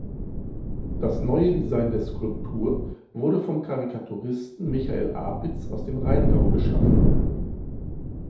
Das neue Design der Skulptur wurde vom Karikaturisten Michael Apitz aus dem Rheingau geschaffen.